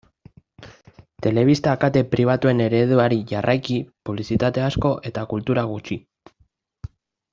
Telebista kate pribatuen ereduari jarraiki publizitate asko eta kultura gutxi.